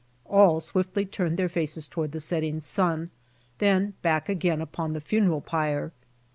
All swiftly turned their faces tow^ard the setting sun, then back again upon the funeral pyre.